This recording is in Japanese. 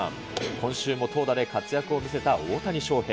今週も投打で活躍を見せた大谷翔平。